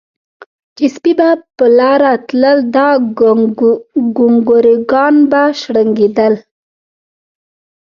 چې سپي به پۀ لاره تلل نو دا ګونګروګان به شړنګېدل